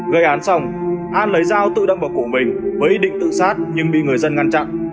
gây án xong an lấy dao tự đâm vào cổ mình với ý định tự sát nhưng bị người dân ngăn chặn